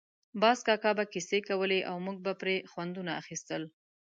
باز کاکا به کیسې کولې او موږ به پرې خوندونه اخیستل.